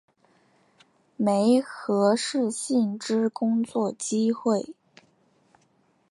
媒合适性之工作机会